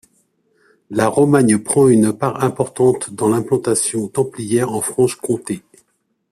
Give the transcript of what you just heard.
La Romagne prend une part importante dans l'implantation templière en Franche-Comté.